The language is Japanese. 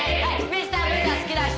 『ミスター・ブー』が好きな人！